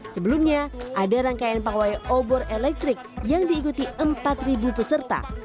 sebelumnya ada rangkaian pawai obor elektrik yang diikuti empat peserta